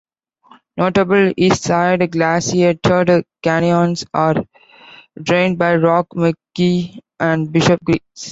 Notable eastside glaciated canyons are drained by Rock, McGee, and Bishop Creeks.